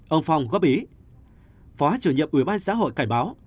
ông phong góp ý phó chủ nhiệm ủy ban xã hội cảnh báo